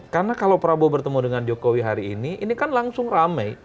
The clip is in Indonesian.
karena kalau prabowo bertemu dengan jokowi hari ini ini kan langsung rame